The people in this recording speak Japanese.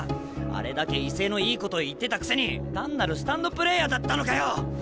あれだけ威勢のいいこと言ってたくせに単なるスタンドプレーヤーだったのかよ！